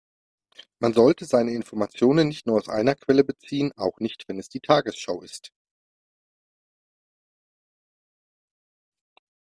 Man sollte seine Informationen nicht nur aus einer Quelle beziehen, auch nicht wenn es die Tagesschau ist.